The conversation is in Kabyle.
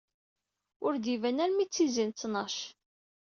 Ur d-iban armi d tizi n ttnac.